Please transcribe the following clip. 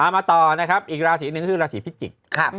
มาต่อนะครับอีกลาสีอีกหนึ่งก็คือลาสีพิจิก